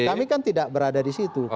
kami kan tidak berada di situ